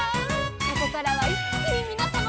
「ここからはいっきにみなさまを」